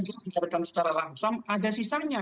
kita mengadakan secara langsung